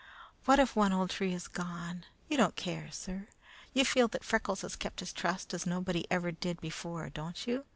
"What if one old tree is gone? You don't care, sir? You feel that Freckles has kept his trust as nobody ever did before, don't you?